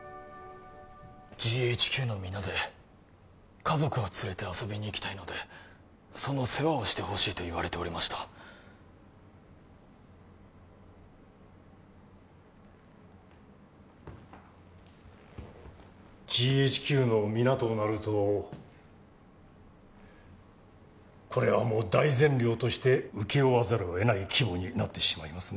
ＧＨＱの皆で家族を連れて遊びに行きたいのでその世話をしてほしいと言われておりましたＧＨＱの皆となるとこれはもう大膳寮として請け負わざるを得ない規模になってしまいますね